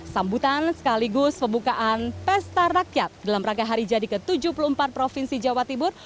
sambutan sekaligus pembukaan pesta rakyat dalam rangka hari jadi ke tujuh puluh empat provinsi jawa timur